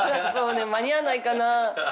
間に合わないかなぁ。